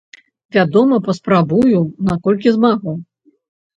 Вядома, паспрабую, наколькі змагу.